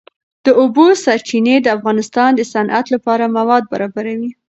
د اوبو سرچینې د افغانستان د صنعت لپاره مواد برابروي.